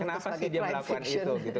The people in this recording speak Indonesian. kenapa sih dia melakukan itu gitu